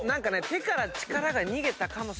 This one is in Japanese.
手から力が逃げたかもしんない。